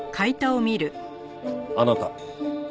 あなた。